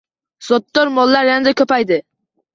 Zotdor mollar yanada ko‘payadi